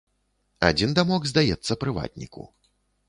Адзін дамок здаецца прыватніку.